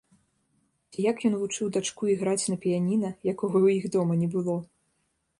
Ці як ён вучыў дачку іграць на піяніна, якога ў іх дома не было.